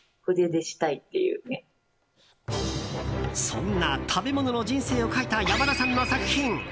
そんな食べ物の人生を描いた山田さんの作品